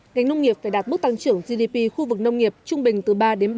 ngành nông nghiệp phải đạt mức tăng trưởng gdp khu vực nông nghiệp trung bình từ ba ba năm